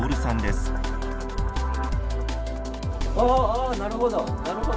ああなるほど。